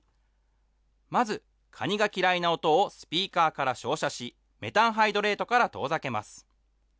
まず、カニが嫌いな音をスピーカーから照射し、メタンハイドレートから遠ざけます。